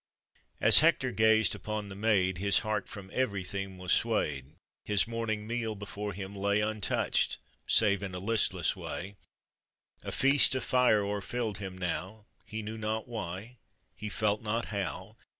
As Hector gazed upon the maid, His heart from every theme was swayed, His morning meal before him lay Untouched, save in a listless way, A feast of fire o'erfilled him now, He knew not why, he felt not how.